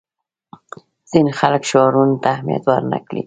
ځینې خلک شعارونو ته اهمیت ورنه کړي.